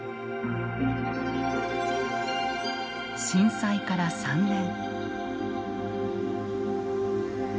震災から３年。